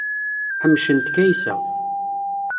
Ḥemcent Kaysa.